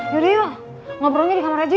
yaudah yuk ngobrolnya di kamarnya ju